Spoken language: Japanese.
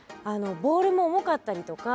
ボールも重かったりとか。